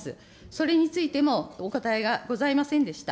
それについてもお答えがございませんでした。